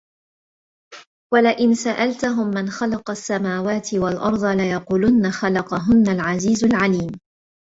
وَلَئِن سَأَلتَهُم مَن خَلَقَ السَّماواتِ وَالأَرضَ لَيَقولُنَّ خَلَقَهُنَّ العَزيزُ العَليمُ